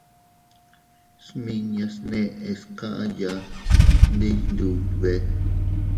Smiñas neʼes kaya ndi Iyndube.